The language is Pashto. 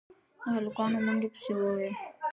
د هلکانو منډې پسې وې.